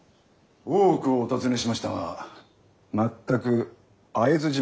大奥をお訪ねしましたが全く会えずじまいでござりました。